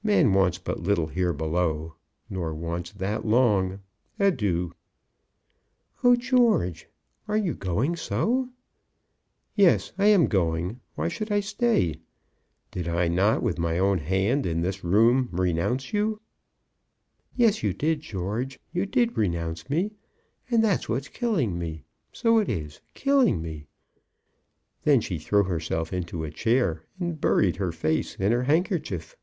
Man wants but little here below, nor wants that little long. Adieu." "Oh, George, are you going so?" "Yes; I am going. Why should I stay? Did I not with my own hand in this room renounce you?" "Yes; you did, George. You did renounce me, and that's what's killing me. So it is, killing me." Then she threw herself into a chair and buried her face in her handkerchief.